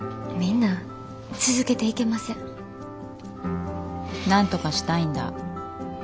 なんとかしたいんだ？